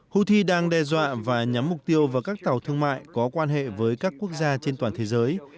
houthi đang đe dọa và nhắm mục tiêu vào các tàu thương mại có quan hệ với các quốc gia trên toàn thế giới